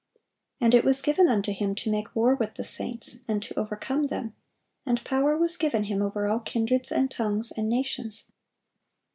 And it was given unto him to make war with the saints, and to overcome them: and power was given him over all kindreds, and tongues, and nations."